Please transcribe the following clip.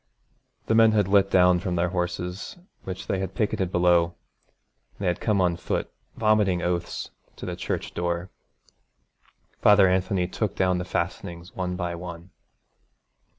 The men had lit down from their horses, which they had picketed below, and had come on foot, vomiting oaths, to the church door. Father Anthony took down the fastenings one by one.